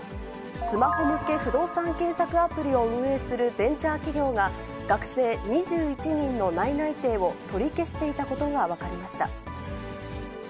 スマホ向け不動産検索アプリを運営するベンチャー企業が、学生２１人の内々定を取り消していたことが分かりました。